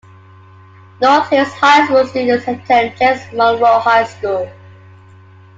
North Hills high school students attend James Monroe High School.